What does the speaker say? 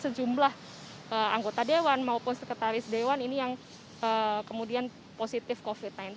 sejumlah anggota dewan maupun sekretaris dewan ini yang kemudian positif covid sembilan belas